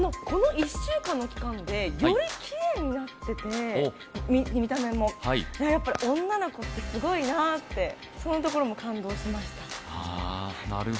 この１週間の期間で、見た目もよりきれいになってて、やっぱり女の子ってすごいなってそんなところも感動しました。